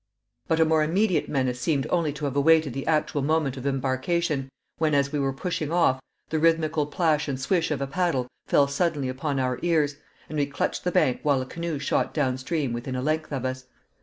But a more immediate menace seemed only to have awaited the actual moment of embarkation, when, as we were pushing off, the rhythmical plash and swish of a paddle fell suddenly upon our ears, and we clutched the bank while a canoe shot down stream within a length of us.